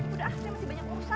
udah deh masih banyak urusan